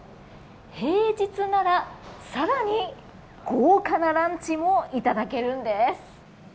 平日なら、更に豪華なランチもいただけるんです。